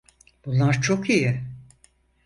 Bunlar çok iyi.